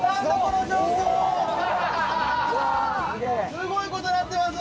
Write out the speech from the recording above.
すごいことになってます！